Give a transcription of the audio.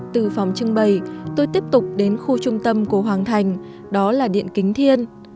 từ phòng trưng bày tôi tiếp tục đến khu trung tâm của hoàng thành đó là điện kính thiên